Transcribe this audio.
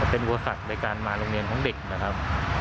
เป็นอุปสรรคในการมาโรงเรียนของเด็กนะครับ